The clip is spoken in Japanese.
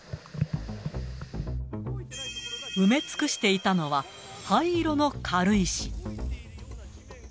埋め尽くしていたのは、灰色の軽石。